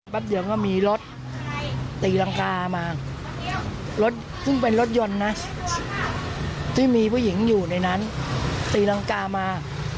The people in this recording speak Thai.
เดียวก็มีรถตีรังกามารถซึ่งเป็นรถยนต์นะที่มีผู้หญิงอยู่ในนั้นตีรังกามา